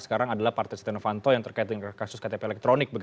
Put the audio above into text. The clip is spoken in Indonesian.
sekarang adalah partai setia novanto yang terkait dengan kasus ktp elektronik